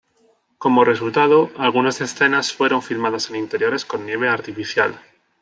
Como resultado, algunas escenas fueron filmadas en interiores con nieve artificial.